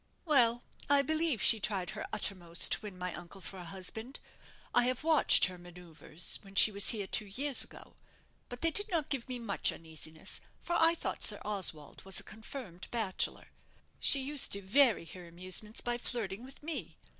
"Well, I believe she tried her uttermost to win my uncle for a husband. I have watched her manoeuvres when she was here two years ago; but they did not give me much uneasiness, for I thought Sir Oswald was a confirmed bachelor. She used to vary her amusements by flirting with me.